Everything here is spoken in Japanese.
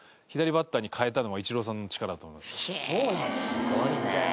すごいね。